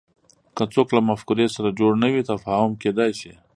که څوک له مفکورې سره جوړ نه وي تفاهم کېدای شي